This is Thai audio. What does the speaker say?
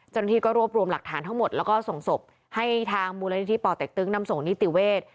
เจ้าหน้าที่ก็รวบรวมหลักฐานทั้งหมดแล้วก็ส่งศพให้ทางมูลนิธิป่อเต็กตึงนำส่งนิติเวศ